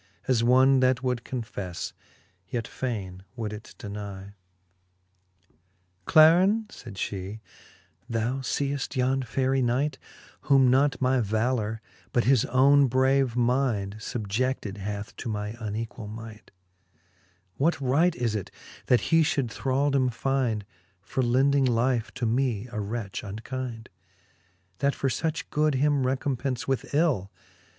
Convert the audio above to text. As one, that would confefTe, yet faine would it denie. XXXII. Clarin, fayd fhe, thou feeft yond Fayry Knight, Whom not my valour, but his owne brave mind Subje(9:ed hath to my unequall might j What right is it, that he fhould thraldome find, For lending life to me a wretch unkind \ That for fuch good him recompence with ill